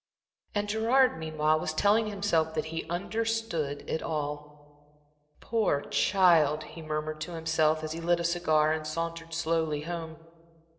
And Gerard meanwhile was telling himself that he understood it all. "Poor child!" he murmured to himself, as he lit a cigar and sauntered slowly home.